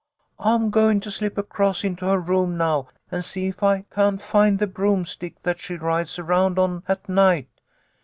I'm goin' to slip across into her room now, and see if I can't find the broomstick that she rides around on at night.